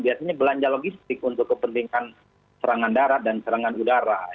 biasanya belanja logistik untuk kepentingan serangan darat dan serangan udara